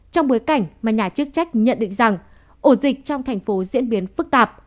trong bối cảnh mà nhà chức trách nhận định rằng ổ dịch trong thành phố diễn biến phức tạp